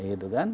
ya gitu kan